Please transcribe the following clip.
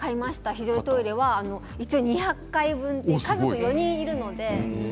非常用トイレは２００回分家族４人いるので。